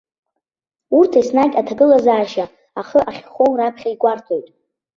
Урҭ еснагь аҭагылазаашьа ахы ахьхоу раԥхьа игәарҭоит.